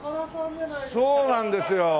そうなんですよ。